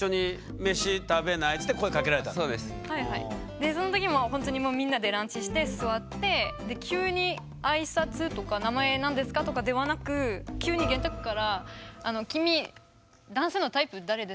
でその時もほんとにもうみんなでランチして座ってで急に挨拶とか「名前何ですか？」とかではなく急に玄徳から「君男性のタイプ誰ですか？」